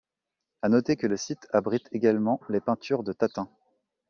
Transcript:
À noter que le site abrite également les peintures de Tatin.